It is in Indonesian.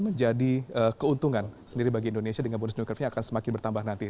menjadi keuntungan sendiri bagi indonesia dengan bonus demografinya akan semakin bertambah nanti